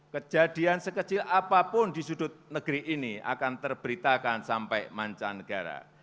kejadian sekecil apapun di sudut negeri ini akan terberitakan sampai mancanegara